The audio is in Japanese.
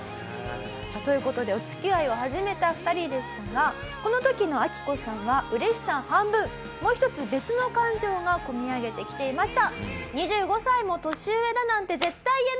という事でお付き合いを始めた２人でしたがこの時のアキコさんは嬉しさ半分もう一つ別の感情が込み上げてきていました。